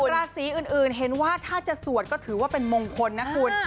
ราศีอื่นเห็นว่าถ้าจะสวดก็ถือว่าเป็นมงคลนะคุณ